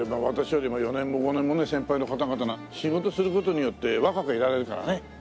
私よりも４年も５年もね先輩の方々が仕事する事によって若くいられるからね。